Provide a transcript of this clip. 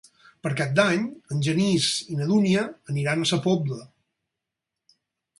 Per Cap d'Any en Genís i na Dúnia aniran a Sa Pobla.